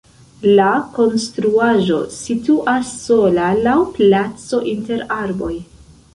La konstruaĵo situas sola laŭ placo inter arboj.